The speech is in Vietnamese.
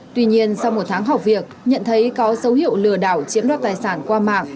tuy nhiên sau một tháng học việc nhận thấy có dấu hiệu lừa đảo chiếm đoạt tài sản qua mạng